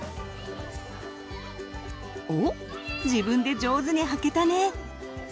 おっ自分で上手にはけたね！